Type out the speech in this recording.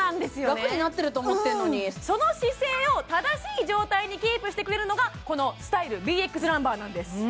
ラクになってると思ってんのにその姿勢を正しい状態にキープしてくれるのがこのスタイルＢＸランバーなんです